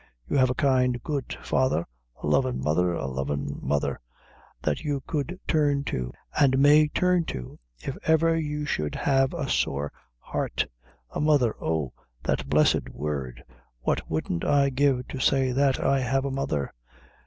You have a kind good father, a lovhin' mother a lovin' mother, that you could turn to, an' may turn to, if ever you should have a sore heart a mother oh, that blessed word what wouldn't I give to say that I have a mother!